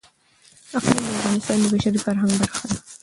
اقلیم د افغانستان د بشري فرهنګ برخه ده.